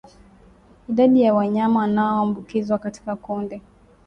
Idadi ya wanyama wanaoambukizwa katika kundi